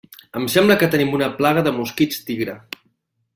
Em sembla que tenim una plaga de mosquits tigre.